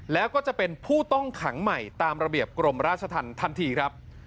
แล้วก็จะเป็นผู้ต้องขังใหม่ตามระเบียบกรมราชธรรมทันทีครับ